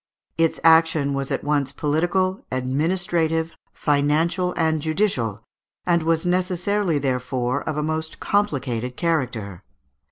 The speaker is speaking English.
Its action was at once political, administrative, financial, and judicial, and was necessarily, therefore, of a most complicated character.